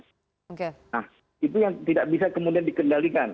nah itu yang tidak bisa kemudian dikendalikan